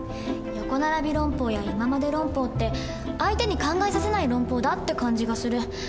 「横ならび論法」や「いままで論法」って相手に考えさせない論法だって感じがする。